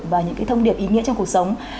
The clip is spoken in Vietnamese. và những cái thông điệp ý nghĩa trong cuộc sống